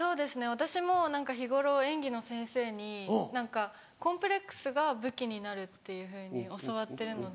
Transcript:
私も日頃演技の先生に何かコンプレックスが武器になるっていうふうに教わってるので。